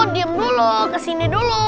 diam dulu kesini dulu